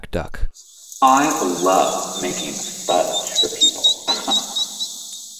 I love making fudge for people.